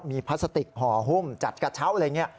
มีพลาสติกห่อหุ้มจัดกระเช้าอะไรอย่างนี้